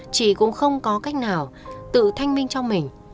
chị cũng không có cách nào tự thanh minh cho mình